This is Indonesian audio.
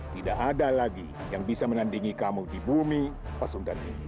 tidak ada lagi yang bisa menandingi kamu di bumi pasundan ini